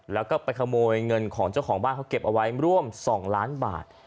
แล้วก็ไปขโมยเงินของเจ้าของบ้านเขาเก็บเอาไว้ร่วม๒ล้านบาท